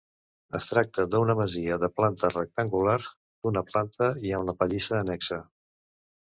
Es tracta d'una masia de planta rectangular d'una planta i amb la pallissa annexa.